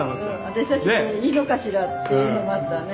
私たちでいいのかしらっていうのもあったわね。